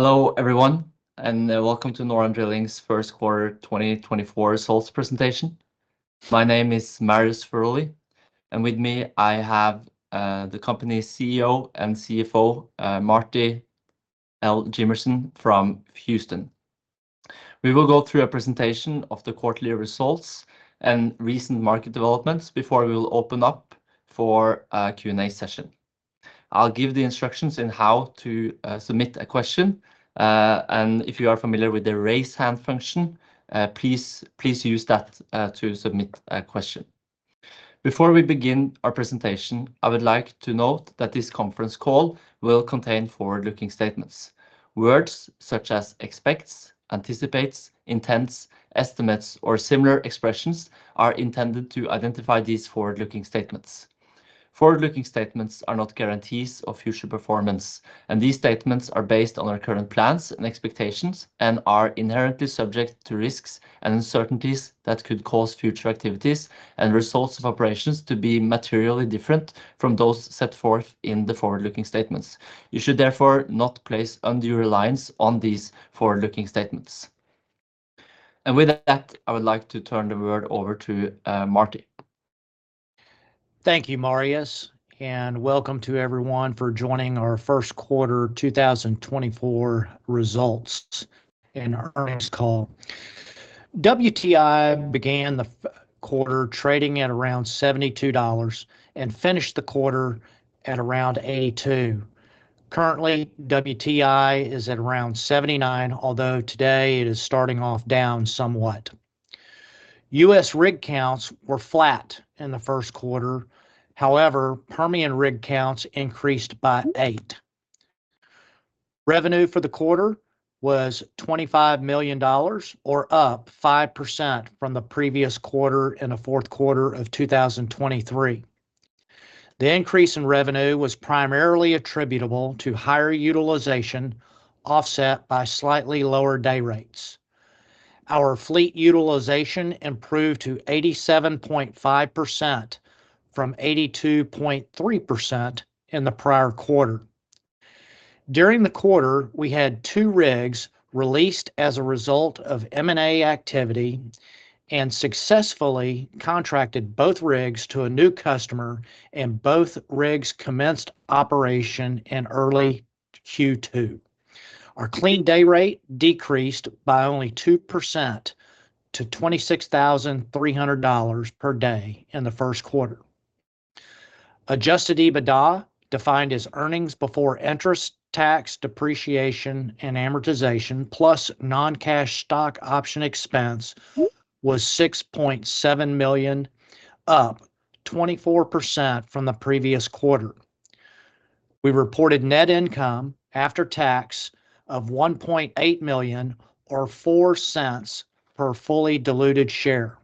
Hello, everyone, and welcome to NorAm Drilling's first quarter 2024 results presentation. My name is Marius Furuly, and with me, I have the company's CEO and CFO, Marty Jimmerson from Houston. We will go through a presentation of the quarterly results and recent market developments before we will open up for a Q&A session. I'll give the instructions on how to submit a question, and if you are familiar with the raise hand function, please, please use that to submit a question. Before we begin our presentation, I would like to note that this conference call will contain forward-looking statements. Words such as expects, anticipates, intends, estimates, or similar expressions are intended to identify these forward-looking statements. Forward-looking statements are not guarantees of future performance, and these statements are based on our current plans and expectations and are inherently subject to risks and uncertainties that could cause future activities and results of operations to be materially different from those set forth in the forward-looking statements. You should therefore not place undue reliance on these forward-looking statements. With that, I would like to turn the floor over to Marty. Thank you, Marius, and welcome to everyone for joining our first quarter 2024 results and earnings call. WTI began the first quarter trading at around $72 and finished the quarter at around $82. Currently, WTI is at around $79, although today it is starting off down somewhat. US rig counts were flat in the first quarter. However, Permian rig counts increased by 8. Revenue for the quarter was $25 million, or up 5% from the previous quarter in the fourth quarter of 2023. The increase in revenue was primarily attributable to higher utilization, offset by slightly lower day rates. Our fleet utilization improved to 87.5% from 82.3% in the prior quarter. During the quarter, we had two rigs released as a result of M&A activity and successfully contracted both rigs to a new customer, and both rigs commenced operation in early Q2. Our clean day rate decreased by only 2% to $26,300 per day in the first quarter. Adjusted EBITDA, defined as earnings before interest, tax, depreciation, and amortization, plus non-cash stock option expense, was $6.7 million, up 24% from the previous quarter. We reported net income after tax of $1.8 million, or $0.04 per fully diluted share.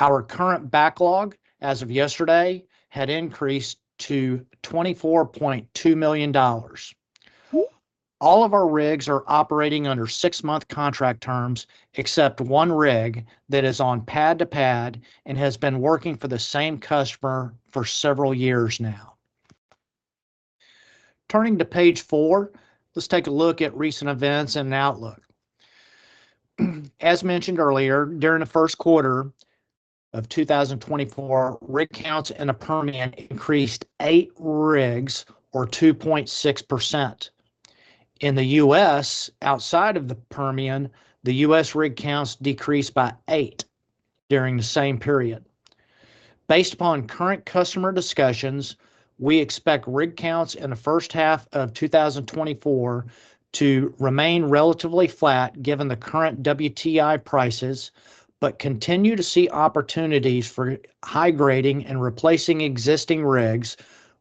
Our current backlog, as of yesterday, had increased to $24.2 million. All of our rigs are operating under six-month contract terms, except one rig that is on pad to pad and has been working for the same customer for several years now. Turning to page four, let's take a look at recent events and outlook. As mentioned earlier, during the first quarter of 2024, rig counts in the Permian increased 8 rigs or 2.6%. In the U.S., outside of the Permian, the U.S. rig counts decreased by 8 during the same period. Based upon current customer discussions, we expect rig counts in the first half of 2024 to remain relatively flat, given the current WTI prices, but continue to see opportunities for high grading and replacing existing rigs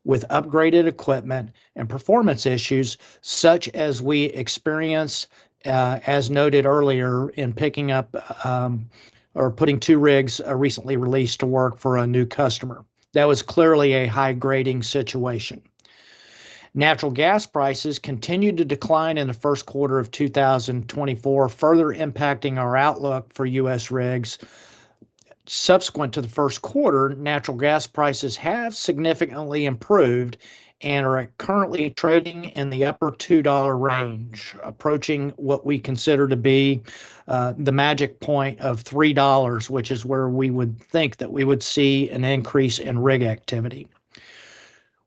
with upgraded equipment and performance issues, such as we experience, as noted earlier, in picking up or putting 2 rigs recently released to work for a new customer. That was clearly a high grading situation. Natural gas prices continued to decline in the first quarter of 2024, further impacting our outlook for U.S. rigs. Subsequent to the first quarter, natural gas prices have significantly improved and are currently trading in the upper $2 range, approaching what we consider to be, the magic point of $3, which is where we would think that we would see an increase in rig activity.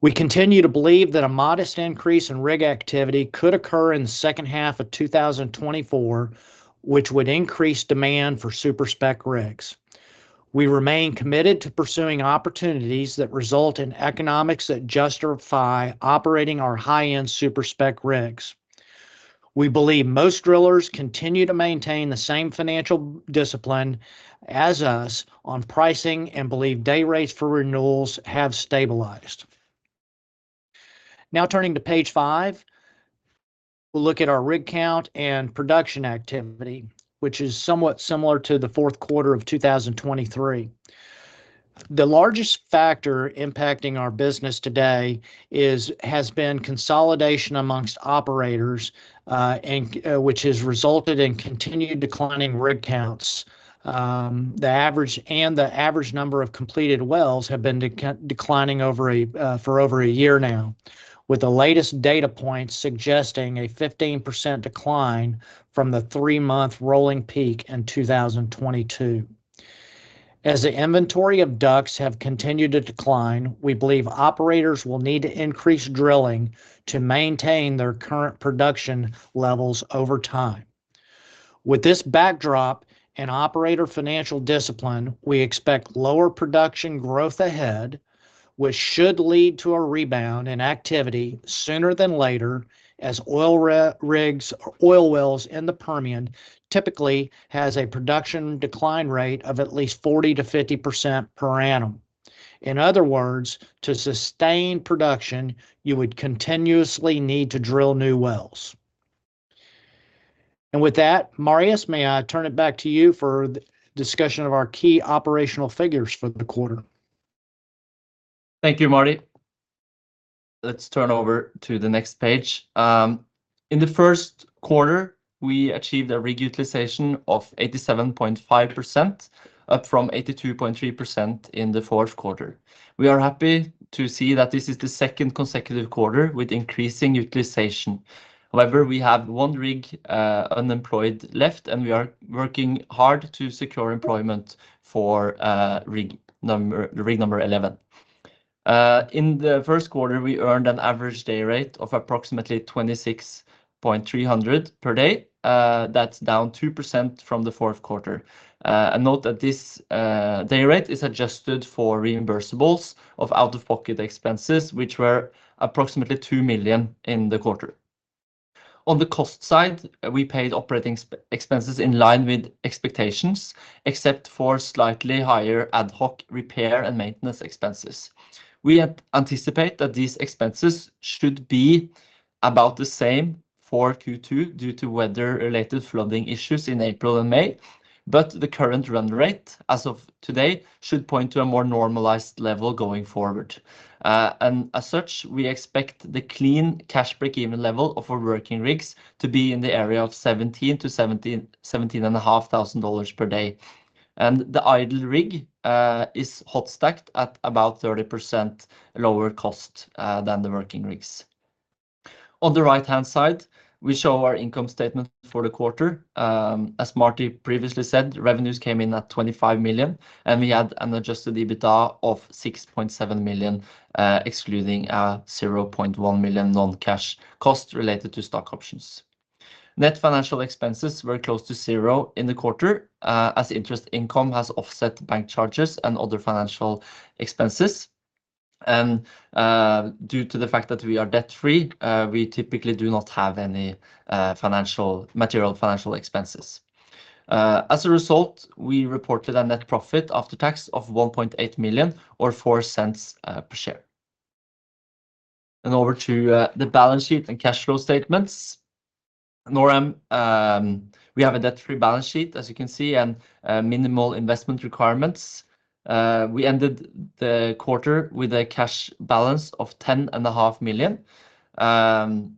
We continue to believe that a modest increase in rig activity could occur in the second half of 2024, which would increase demand for super spec rigs. We remain committed to pursuing opportunities that result in economics that justify operating our high-end super spec rigs. We believe most drillers continue to maintain the same financial discipline as us on pricing and believe day rates for renewals have stabilized. Now, turning to page 5, we'll look at our rig count and production activity, which is somewhat similar to the fourth quarter of 2023. The largest factor impacting our business today is, has been consolidation among operators, which has resulted in continued declining rig counts. The average number of completed wells have been declining for over a year now. With the latest data points suggesting a 15% decline from the three-month rolling peak in 2022. As the inventory of DUCs have continued to decline, we believe operators will need to increase drilling to maintain their current production levels over time. With this backdrop and operator financial discipline, we expect lower production growth ahead, which should lead to a rebound in activity sooner than later, as oil rigs or oil wells in the Permian typically has a production decline rate of at least 40%-50% per annum. In other words, to sustain production, you would continuously need to drill new wells. With that, Marius, may I turn it back to you for the discussion of our key operational figures for the quarter? Thank you, Marty. Let's turn over to the next page. In the first quarter, we achieved a rig utilization of 87.5%, up from 82.3% in the fourth quarter. We are happy to see that this is the second consecutive quarter with increasing utilization. However, we have one rig unemployed left, and we are working hard to secure employment for rig number 11. In the first quarter, we earned an average day rate of approximately $26,300 per day. That's down 2% from the fourth quarter. And note that this day rate is adjusted for reimbursables of out-of-pocket expenses, which were approximately $2 million in the quarter. On the cost side, we paid operating expenses in line with expectations, except for slightly higher ad hoc repair and maintenance expenses. We anticipate that these expenses should be about the same for Q2 due to weather-related flooding issues in April and May, but the current run rate, as of today, should point to a more normalized level going forward. And as such, we expect the clean cash breakeven level of our working rigs to be in the area of $17,000 to $17,500 per day. And the idle rig is hot stacked at about 30% lower cost than the working rigs. On the right-hand side, we show our income statement for the quarter. As Marty previously said, revenues came in at $25 million, and we had an adjusted EBITDA of $6.7 million, excluding a $0.1 million non-cash cost related to stock options. Net financial expenses were close to zero in the quarter, as interest income has offset bank charges and other financial expenses. Due to the fact that we are debt-free, we typically do not have any material financial expenses. As a result, we reported a net profit after tax of $1.8 million, or $0.04 per share. Over to the balance sheet and cash flow statements. NorAm, we have a debt-free balance sheet, as you can see, and minimal investment requirements. We ended the quarter with a cash balance of $10.5 million.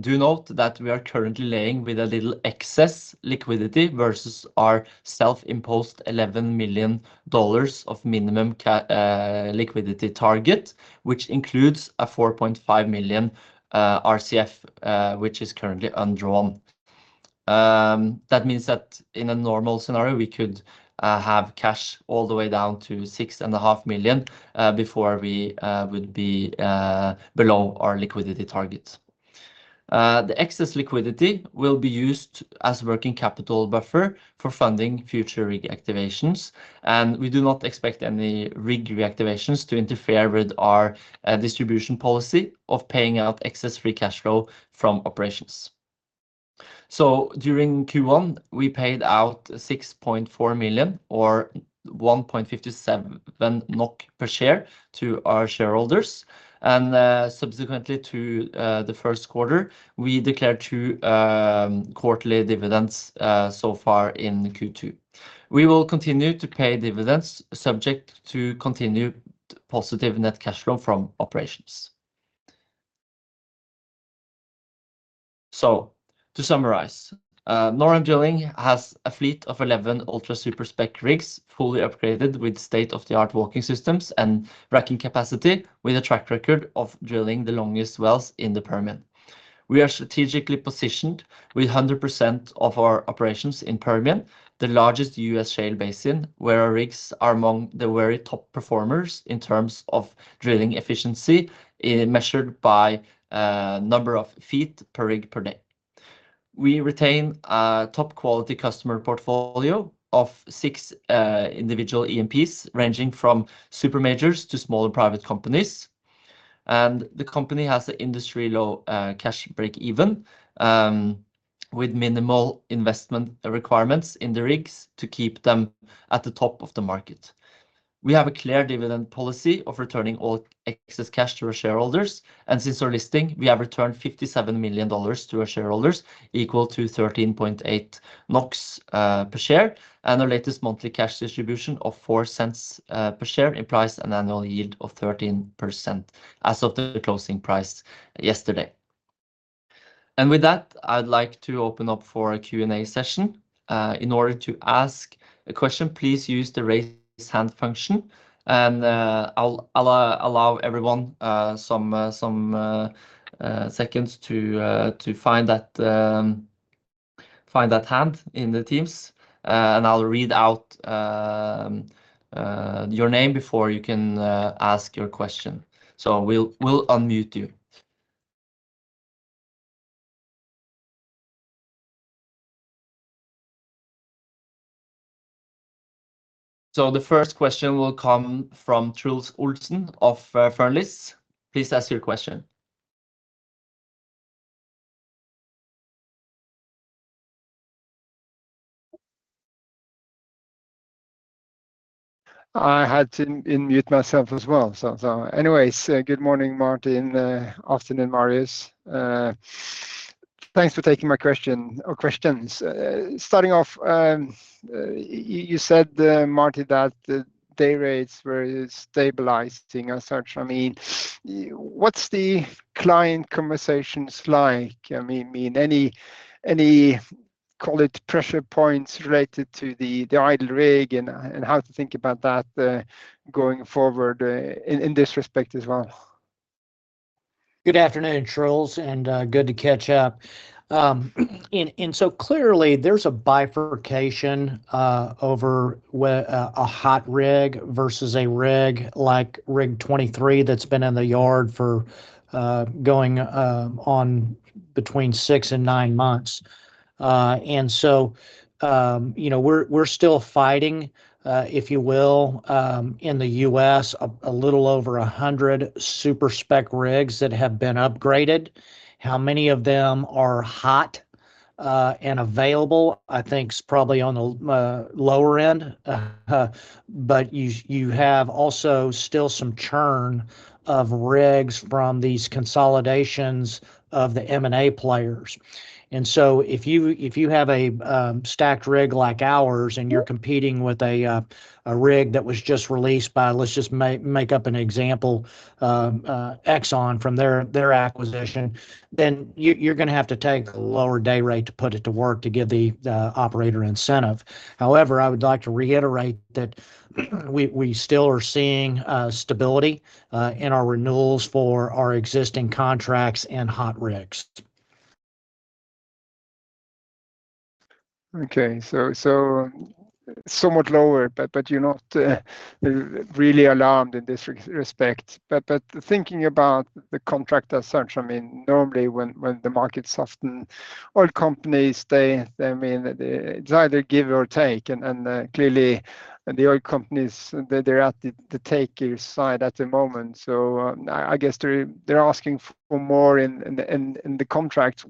Do note that we are currently running with a little excess liquidity versus our self-imposed $11 million of minimum liquidity target, which includes a $4.5 million RCF, which is currently undrawn. That means that in a normal scenario, we could have cash all the way down to 6.5 million before we would be below our liquidity target. The excess liquidity will be used as working capital buffer for funding future rig activations, and we do not expect any rig reactivations to interfere with our distribution policy of paying out excess free cash flow from operations. So during Q1, we paid out 6.4 million, or 1.57 NOK per share, to our shareholders, and subsequently to the first quarter, we declared two quarterly dividends so far in Q2. We will continue to pay dividends subject to continued positive net cash flow from operations. So to summarize, Noram Drilling has a fleet of 11 ultra super spec rigs, fully upgraded with state-of-the-art walking systems and racking capacity, with a track record of drilling the longest wells in the Permian. We are strategically positioned with 100% of our operations in Permian, the largest U.S. shale basin, where our rigs are among the very top performers in terms of drilling efficiency, measured by, number of feet per rig per day. We retain a top-quality customer portfolio of six, individual E&Ps, ranging from super majors to smaller private companies. And the company has an industry-low, cash breakeven, with minimal investment requirements in the rigs to keep them at the top of the market. We have a clear dividend policy of returning all excess cash to our shareholders, and since our listing, we have returned $57 million to our shareholders, equal to 13.8 NOK per share, and our latest monthly cash distribution of $0.04 per share implies an annual yield of 13% as of the closing price yesterday. With that, I'd like to open up for a Q&A session. In order to ask a question, please use the raise hand function, and I'll allow everyone some seconds to find that hand in the Teams. And I'll read out your name before you can ask your question, so we'll unmute you. So the first question will come from Truls Olsen of Fearnley Securities. Please ask your question. I had to unmute myself as well. So, anyways, good morning, Marty, and afternoon, Marius. Thanks for taking my question or questions. Starting off, you said, Marty, that the day rates were stabilized and such. I mean, what's the client conversations like? I mean, any, call it, pressure points related to the idle rig and how to think about that going forward, in this respect as well? Good afternoon, Truls, and good to catch up. And so clearly there's a bifurcation over whether a hot rig versus a rig like Rig 23 that's been in the yard for going on between six and nine months. And so, you know, we're still fighting, if you will, in the U.S., a little over 100 super spec rigs that have been upgraded. How many of them are hot and available, I think is probably on the lower end. But you have also still some churn of rigs from these consolidations of the M&A players. And so if you, if you have a stacked rig like ours and you're competing with a a rig that was just released by, let's just make up an example, Exxon from their, their acquisition, then you're, you're gonna have to take a lower day rate to put it to work to give the, the operator incentive. However, I would like to reiterate that we, we still are seeing stability in our renewals for our existing contracts and hot rigs. Okay, so somewhat lower, but you're not really alarmed in this respect. But thinking about the contract as such, I mean, normally when the market is often oil companies, they, I mean, it's either give or take, and clearly, the oil companies, they're at the taker side at the moment. So, I guess they're asking for more in the contract.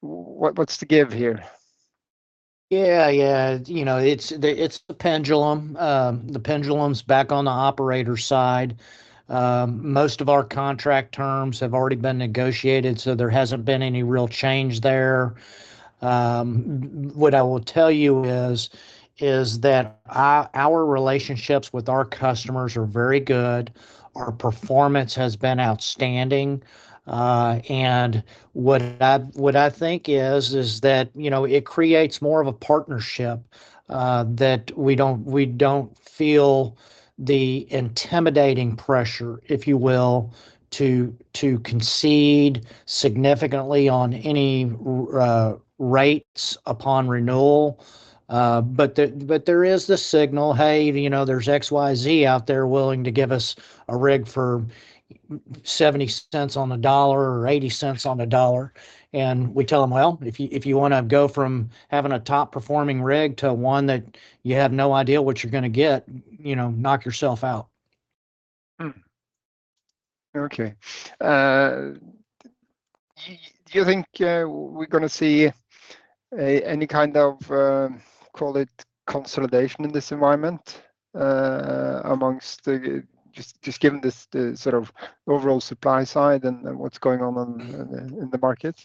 What are you... What's the give here? Yeah, yeah. You know, it's the pendulum. The pendulum's back on the operator side. Most of our contract terms have already been negotiated, so there hasn't been any real change there. What I will tell you is that our relationships with our customers are very good. Our performance has been outstanding. And what I think is that, you know, it creates more of a partnership that we don't feel the intimidating pressure, if you will, to concede significantly on any rates upon renewal. But there is the signal, "Hey, you know, there's XYZ out there willing to give us a rig for 70 cents on the dollar or 80 cents on the dollar." And we tell them, "Well, if you, if you want to go from having a top-performing rig to one that you have no idea what you're gonna get, you know, knock yourself out. Okay. Do you think we're gonna see any kind of, call it, consolidation in this environment, amongst the... just, just given this, the sort of overall supply side and, and what's going on in, in, in the market?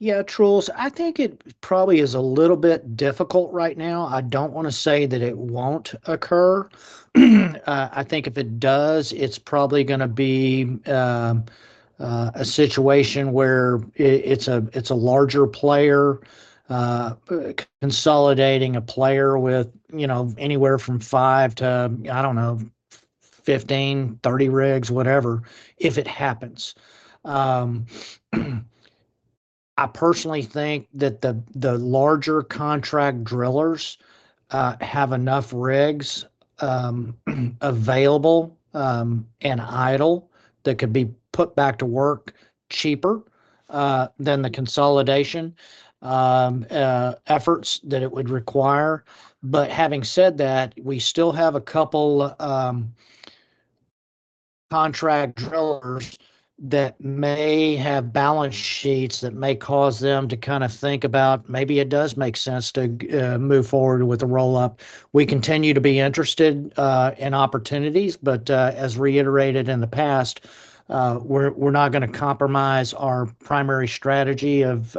Yeah, Truls, I think it probably is a little bit difficult right now. I don't want to say that it won't occur. I think if it does, it's probably gonna be a situation where it's a larger player consolidating a player with, you know, anywhere from 5 to, I don't know, 15, 30 rigs, whatever, if it happens. I personally think that the larger contract drillers have enough rigs available and idle that could be put back to work cheaper than the consolidation efforts that it would require. But having said that, we still have a couple contract drillers that may have balance sheets that may cause them to kind of think about, maybe it does make sense to move forward with a roll-up. We continue to be interested in opportunities, but as reiterated in the past, we're, we're not gonna compromise our primary strategy of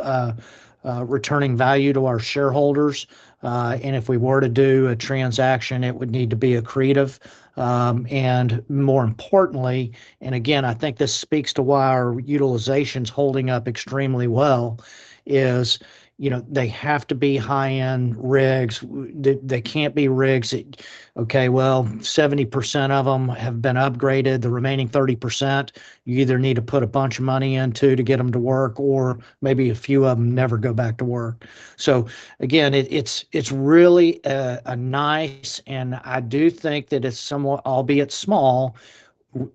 returning value to our shareholders. And if we were to do a transaction, it would need to be accretive. And more importantly, and again, I think this speaks to why our utilization's holding up extremely well, is you know, they have to be high-end rigs. They, they can't be rigs that, okay, well, 70% of them have been upgraded, the remaining 30%, you either need to put a bunch of money into to get them to work, or maybe a few of them never go back to work. So again, it's really a nice, and I do think that it's somewhat, albeit small,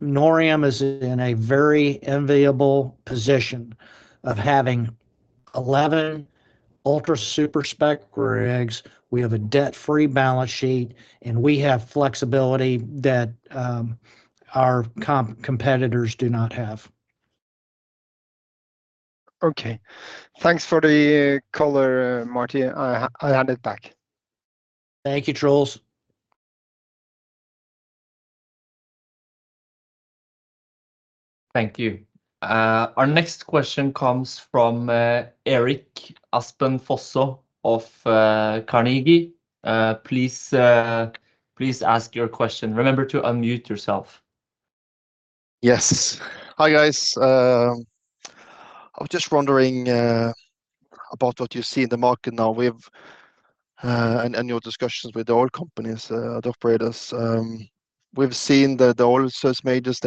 NorAm is in a very enviable position of having 11 ultra super-spec rigs. We have a debt-free balance sheet, and we have flexibility that our competitors do not have. Okay. Thanks for the color, Marty. I hand it back. Thank you, Truls. Thank you. Our next question comes from Erik Aspen Fosså of Carnegie. Please, please ask your question. Remember to unmute yourself. Yes. Hi, guys. I was just wondering about what you see in the market now with your discussions with the oil companies, the operators. We've seen that the oil service majors,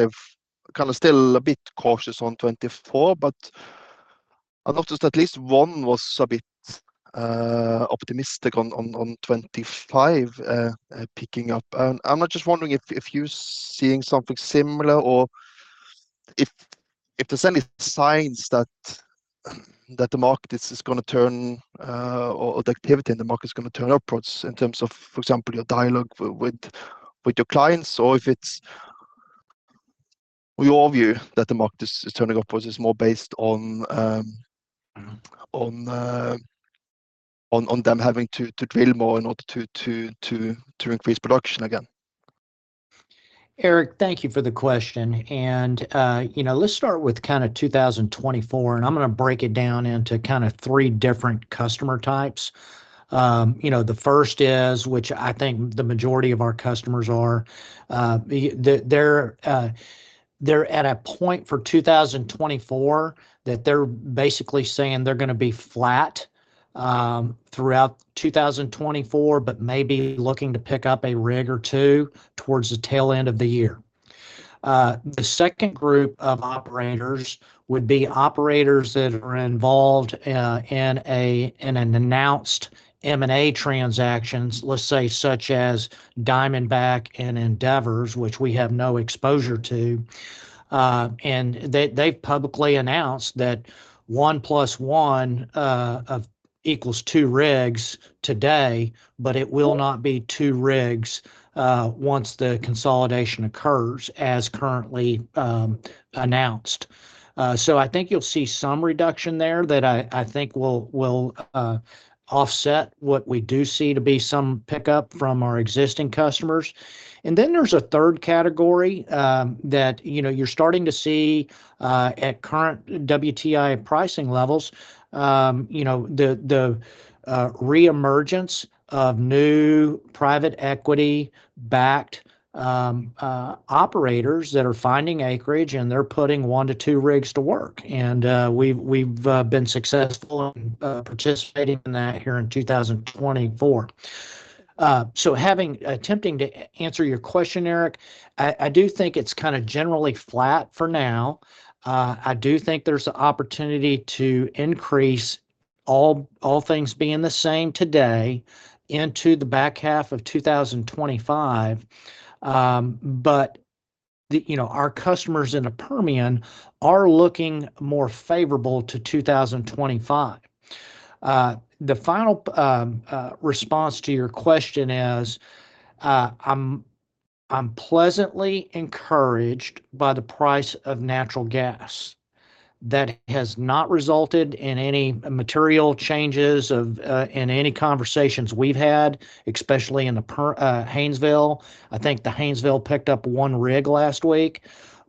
they've kind of still a bit cautious on 2024, but I've noticed at least one was a bit optimistic on 2025 picking up. And I'm just wondering if you're seeing something similar, or if there's any signs that the market is gonna turn, or the activity in the market is gonna turn upwards in terms of, for example, your dialogue with your clients? Or if it's your view that the market is turning upwards is more based on them having to drill more in order to increase production again. Erik, thank you for the question. And, you know, let's start with kind of 2024, and I'm gonna break it down into kind of three different customer types. You know, the first is, which I think the majority of our customers are, the... They're, they're at a point for 2024 that they're basically saying they're gonna be flat, throughout 2024, but maybe looking to pick up a rig or two towards the tail end of the year. The second group of operators would be operators that are involved, in a, in an announced M&A transactions, let's say, such as Diamondback and Endeavor, which we have no exposure to. And they, they've publicly announced that one plus one, equals two rigs today, but it will not be two rigs, once the consolidation occurs, as currently, announced. So I think you'll see some reduction there that I think will offset what we do see to be some pickup from our existing customers. And then there's a third category that, you know, you're starting to see at current WTI pricing levels, you know, the re-emergence of new private equity-backed operators that are finding acreage, and they're putting 1-2 rigs to work. And we've been successful in participating in that here in 2024. So answer your question, Erik, I do think it's kind of generally flat for now. I do think there's the opportunity to increase, all things being the same today, into the back half of 2025. You know, our customers in the Permian are looking more favorable to 2025. The final response to your question is, I'm pleasantly encouraged by the price of natural gas. That has not resulted in any material changes in any conversations we've had, especially in the Haynesville. I think the Haynesville picked up one rig last week.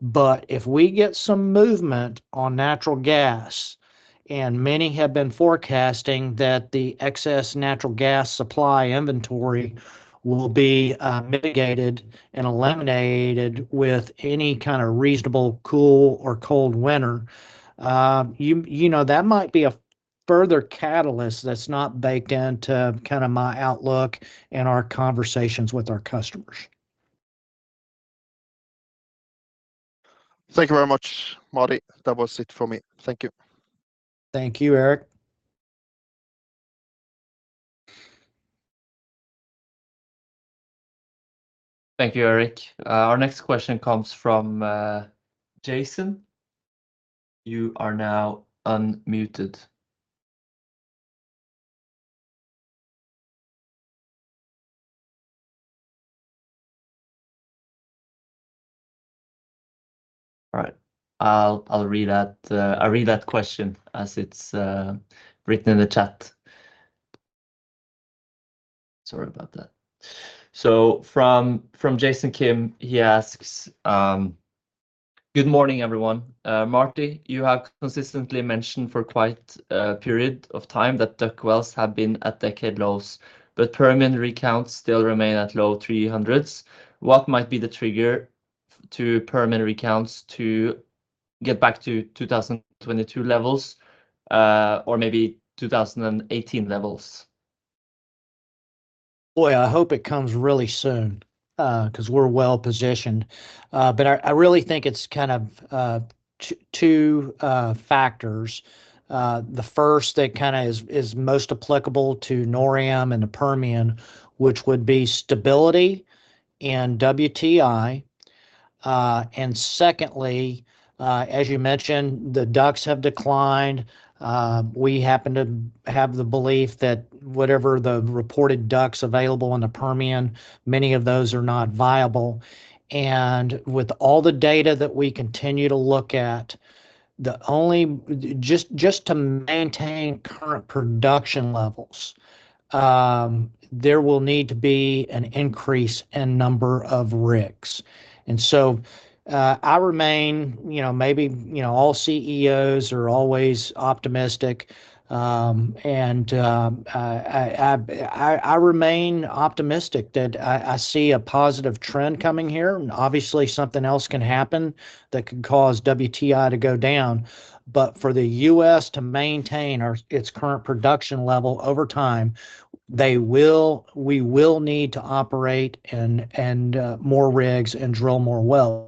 But if we get some movement on natural gas, and many have been forecasting that the excess natural gas supply inventory will be mitigated and eliminated with any kind of reasonable, cool or cold winter, you know, that might be a further catalyst that's not baked into kind of my outlook and our conversations with our customers. Thank you very much, Marty. That was it for me. Thank you. Thank you, Erik. Thank you, Erik. Our next question comes from Jason. You are now unmuted. All right, I'll read that question as it's written in the chat. Sorry about that. So from Jason Kim, he asks, "Good morning, everyone. Marty, you have consistently mentioned for quite a period of time that DUC wells have been at decade lows, but Permian rig counts still remain at low 300s. What might be the trigger for Permian rig counts to get back to 2022 levels, or maybe 2018 levels? Boy, I hope it comes really soon, 'cause we're well positioned. But I really think it's kind of two factors. The first that kinda is most applicable to Noram and the Permian, which would be stability and WTI. And secondly, as you mentioned, the DUCs have declined. We happen to have the belief that whatever the reported DUCs available in the Permian, many of those are not viable. And with all the data that we continue to look at, the only... Just to maintain current production levels, there will need to be an increase in number of rigs. I remain, you know, maybe, you know, all CEOs are always optimistic, and I remain optimistic that I see a positive trend coming here, and obviously something else can happen that could cause WTI to go down. But for the U.S. to maintain its current production level over time, we will need to operate more rigs and drill more wells.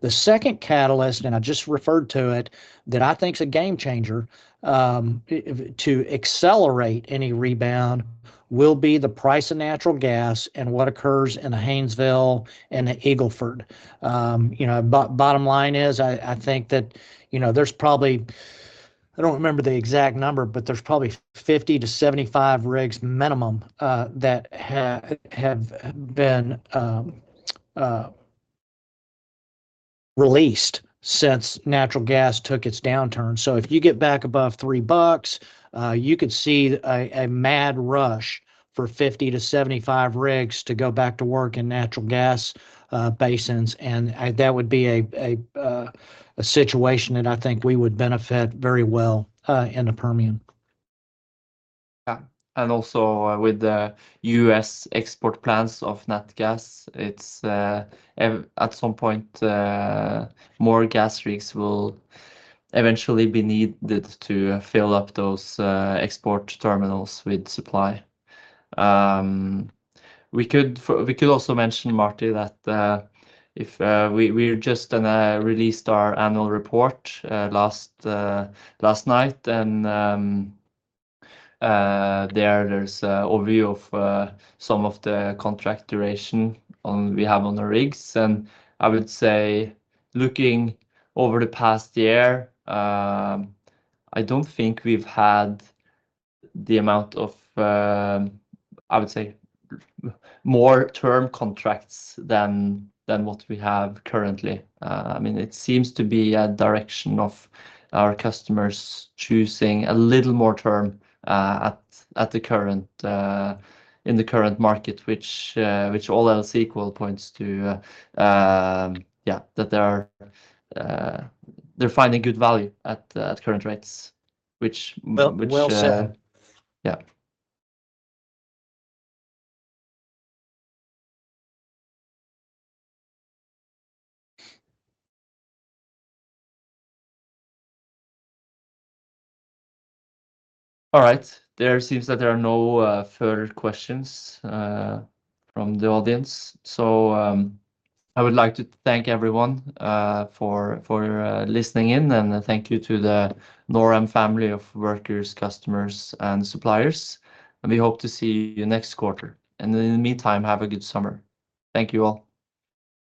The second catalyst, and I just referred to it, that I think is a game changer, to accelerate any rebound, will be the price of natural gas and what occurs in the Haynesville and the Eagle Ford. You know, bottom line is, I think that, you know, there's probably... I don't remember the exact number, but there's probably 50-75 rigs minimum that have been released since natural gas took its downturn. So if you get back above $3, you could see a mad rush for 50-75 rigs to go back to work in natural gas basins, and that would be a situation that I think we would benefit very well in the Permian. Yeah, and also with the U.S. export plans of nat gas, it's, at some point, more gas rigs will eventually be needed to fill up those, export terminals with supply. We could also mention, Marty, that, if, we, we're just released our annual report, last, last night, and, there, there's an overview of, some of the contract duration on... we have on the rigs. And I would say, looking over the past year, I don't think we've had the amount of, I would say, more term contracts than, than what we have currently. I mean, it seems to be a direction of our customers choosing a little more term, at, at the current, in the current market, which, which all else equal points to, Yeah, that they are, they're finding good value at current rates, which- Well said. Yeah. All right. There seems that there are no further questions from the audience. So, I would like to thank everyone for listening in, and thank you to the Noram family of workers, customers, and suppliers. We hope to see you next quarter. In the meantime, have a good summer. Thank you, all.